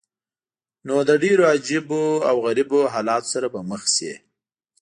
نو له ډېرو عجیبه او غریبو حالاتو سره به مخ شې.